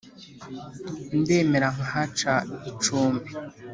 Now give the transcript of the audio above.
Ndemera nkahaca icumbi.